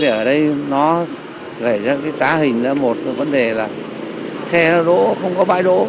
ở đây nó gây ra cái trá hình là một vấn đề là xe đỗ không có bãi đỗ